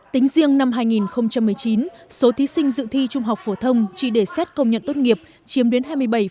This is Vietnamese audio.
tính riêng năm hai nghìn một mươi chín số thí sinh dự thi trung học phổ thông chỉ để xét công nhận tốt nghiệp chiếm đến hai mươi bảy